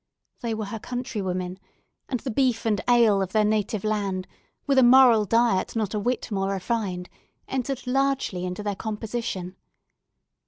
They were her countrywomen: and the beef and ale of their native land, with a moral diet not a whit more refined, entered largely into their composition.